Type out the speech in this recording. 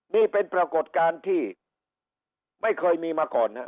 นี่เป็นปรากฏการณ์ที่ไม่เคยมีมาก่อนนะครับ